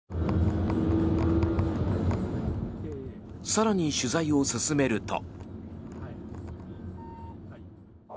更に取材を進めると。